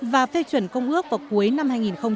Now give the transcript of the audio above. và phê chuẩn công ước vào cuối năm hai nghìn một mươi bốn